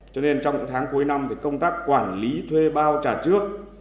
cho nên trong tháng cuối năm công tác quản lý thuê bao trả trước